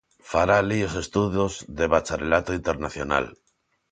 Fará alí os estudos de bacharelato internacional.